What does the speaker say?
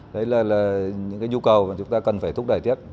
đấy là những cái nhu cầu mà chúng ta cần phải thúc đẩy tiếp